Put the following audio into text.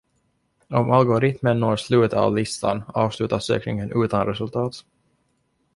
Om algoritmen når slutet av listan avslutas sökningen utan resultat.